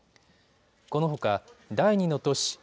このほか第２の都市